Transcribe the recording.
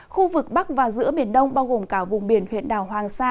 khu vực bắc và giữa biển đông bao gồm cả vùng biển huyện đảo hoàng sa